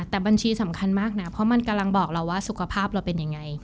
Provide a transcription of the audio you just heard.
แต่บัญชีสำคัญมากนะเพราะมันกำลังบอกเราว่าสุขภาพเราเป็นยังไง